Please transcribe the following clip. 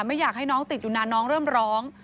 ไม่อยากให้น้องติดอยู่นานน้องเริ่มร้อง